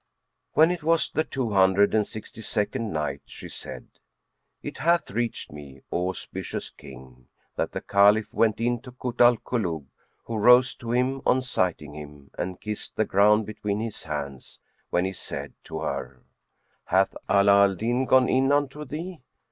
When it was the Two Hundred and Sixty second Night, She said, It hath reached me, O auspicious King, that the Caliph went in to Kut al Kulub, who rose to him on sighting him and kissed the ground between his hands; when he said to her, "Hath Ala al Din gone in unto thee?"